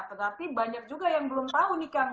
tetapi banyak juga yang belum tahu nih kang